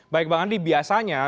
baik bang andi biasanya